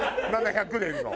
７００年の。